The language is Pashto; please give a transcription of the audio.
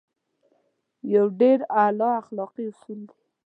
يو ډېر اعلی اخلاقي اصول دی.